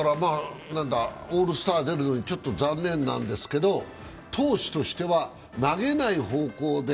オールスター出るのにちょっと残念なんですけど投手としては投げない方向で。